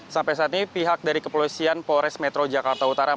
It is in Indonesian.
sampai saat ini pihak dari kepolisian polres metro jakarta utara